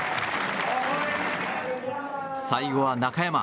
最後は中山。